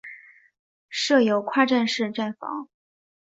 设有跨站式站房。